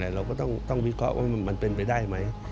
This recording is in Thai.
เราก็ต้องวิเคราะห์ว่ามันเป็นไปได้ไหม